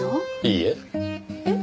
いいえ。えっ？